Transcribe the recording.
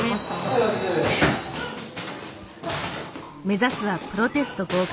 目指すはプロテスト合格。